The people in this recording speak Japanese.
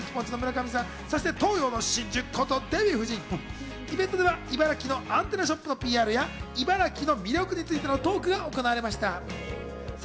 ジョイマンとフルーツポンチ・村上さん、そして東洋の真珠ことデヴィ夫人、イベントでは茨城のアンテナショップのＰＲや茨城の魅力についてのトークが行われました。